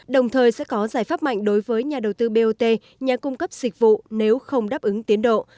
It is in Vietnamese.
đồng thời sẽ có giải pháp mạnh đối với nhà đầu tư bot nhà cung cấp dịch vụ nếu không đáp ứng tiến độ